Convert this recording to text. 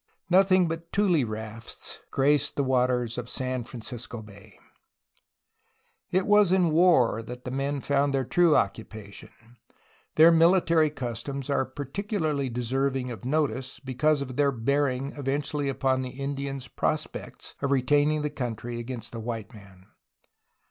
Nothing but tule rafts graced the waters of San Francisco Bay. It was in war that the men found their true occupation. Their military customs are particularly deserving .of notice because of their bearing eventually upon the Indians' pros pects of retaining the country against the white man.